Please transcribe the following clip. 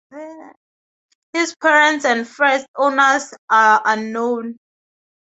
His parents and first owners are unknown.